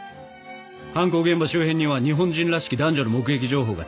犯行現場周辺には日本人らしき男女の目撃情報が多数。